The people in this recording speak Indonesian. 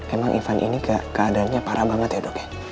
emang ivan ini keadaannya parah banget ya dok ya